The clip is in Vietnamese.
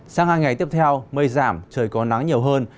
sang hai ngày tiếp theo mây giảm trời có nắng nhiều hơn